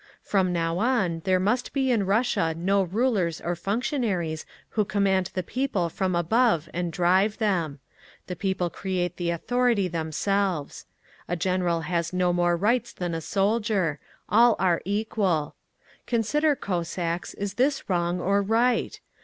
From now on there must be in Russia no rulers or functionaries who command the People from above and drive them. The People create the authority themselves. A General has no more rights than a soldier. All are equal. Consider, Cossacks, is this wrong or right?